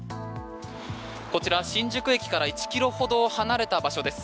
こちら新宿駅から１ｋｍほど離れた場所です。